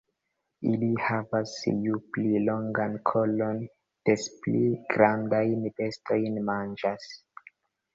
Ili havas ju pli longan kolon des pli grandajn bestojn manĝas.